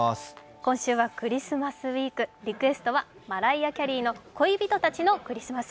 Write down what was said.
今週はクリスマスウィーク、リクエストはマライア・キャリーの「恋人たちのクリスマス」。